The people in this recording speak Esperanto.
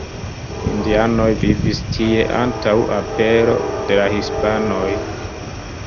Indianoj vivis tie antaŭ apero de la hispanoj.